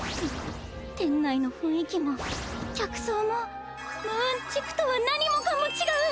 店内の雰囲気も客層もムーン地区とは何もかも違う！